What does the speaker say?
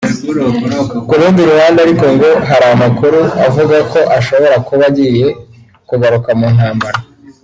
Ku rundi ruhande ariko ngo hari amakuru avuga ko ashobora kuba agiye kugaruka mu ntambara